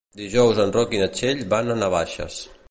Dijous en Roc i na Txell van a Navaixes.